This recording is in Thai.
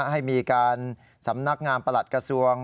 ให้มีการสำนักงามประหลัดกระทรวง